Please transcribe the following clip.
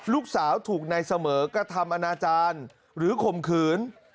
ลูกสาวถูกนายเสมอกระทำอนาจารย์หรือข่มขืน